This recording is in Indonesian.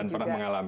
dan pernah mengalami